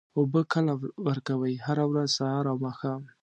اوبه کله ورکوئ؟ هره ورځ، سهار او ماښام